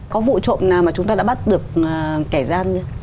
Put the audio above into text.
có vụ trộm nào mà chúng ta đã bắt được kẻ gian như